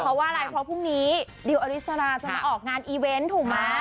เพราะว่าอะไรเพราะพรุ่งนี้ดิวอริสราจะมาออกงานอีเวนต์ถูกไหม